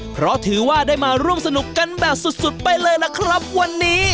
เพราะถือว่าได้มาร่วมสนุกกันแบบสุดไปเลยล่ะครับวันนี้